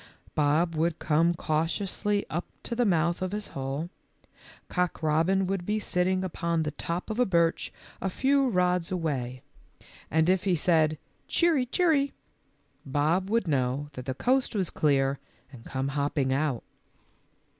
Bob would come cautiously up to the mouth of his hole, Cock robin would be sitting upon the top of a birch a few rods away, and if he 138 THE LITTLE FORESTERS. said, " Cheeiy, cheery," Bob would know that the coast was clear and come hopping out.